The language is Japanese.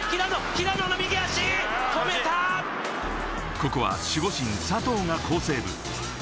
ここは守護神・佐藤が好セーブ。